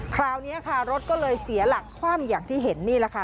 คราวนี้ค่ะรถก็เลยเสียหลักคว่ำอย่างที่เห็นนี่แหละค่ะ